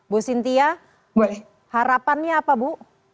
bu sintia harapannya apa bu